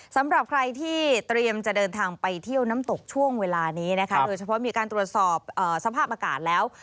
สำหรับใครที่เตรียมจะเดินทางไปเที่ยวน้ำตกช่วงเวลานี้นะคะโดยเฉพาะมีการตรวจสอบสภาพอากาศแล้ว